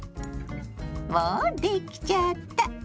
もうできちゃった。